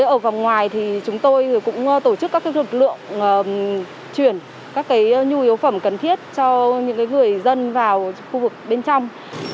ở vòng ngoài thì chúng tôi cũng tổ chức các lực lượng chuyển các nhu yếu phẩm cần thiết cho những người dân vào khu vực bên trong